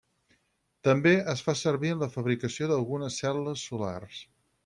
També es fa servir en la fabricació d'algunes cel·les solars.